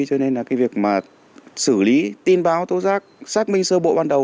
cho nên việc xử lý tin báo tố rác xác minh sơ bộ ban đầu